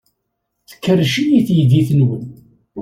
Tkerrec-iyi teydit-nwen.